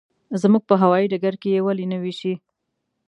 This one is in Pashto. زموږ په هوايي ډګر کې یې ولې نه وېشي.